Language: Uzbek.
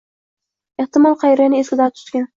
Ehtimol, qariyani eski dardi tutgan.